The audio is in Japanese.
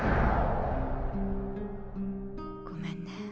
ごめんね。